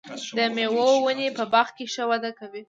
د مېوو ونې په باغ کې ښه وده کوي.